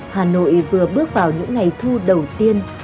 hà nội vừa bước vào những ngày thu đầu tiên